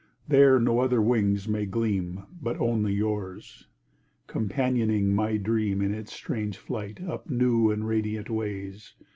There no other wings may gleam But only yours, companioning my dream In its strange flight up new and radiant ways.